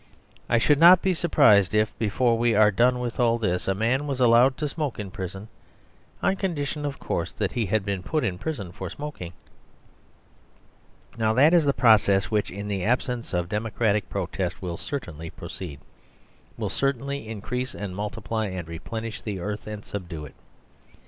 I should not be surprised if, before we are done with all this, a man was allowed to smoke in prison, on condition, of course, that he had been put in prison for smoking. Now that is the process which, in the absence of democratic protest, will certainly proceed, will increase and multiply and replenish the earth and subdue it.